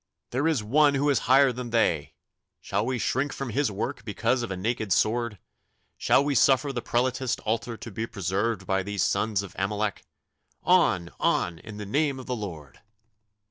There is One who is higher than they. Shall we shrink from His work because of a naked sword? Shall we suffer the Prelatist altar to be preserved by these sons of Amalek? On, on! In the name of the Lord!